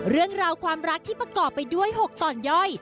เรื่องราวความรักที่ประกอบไปด้วย๖ตอนย่อย